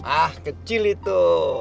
ah kecil itu